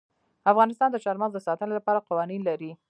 افغانستان د چار مغز د ساتنې لپاره قوانین لري.